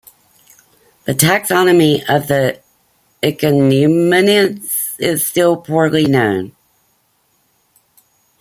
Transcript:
The taxonomy of the ichneumonids is still poorly known.